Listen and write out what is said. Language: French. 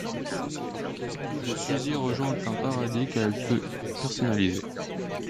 Pendant ce temps, l'esprit de Susie rejoint un paradis qu'elle peut personnaliser.